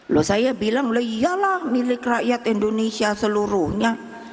loh saya bilang loh iyalah milik rakyat indonesia seluruhnya